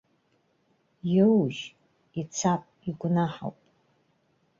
Иоужь, ицап, игәнаҳауп.